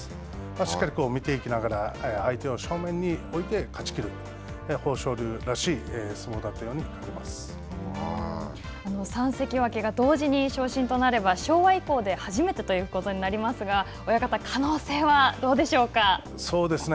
しっかり見ていきながら、相手を正面に置いて勝ちきる、豊昇龍らしい相撲だったように思三関脇が同時に昇進となれば昭和以降で初めてということになりますが、親方、可能性はどうでそうですね。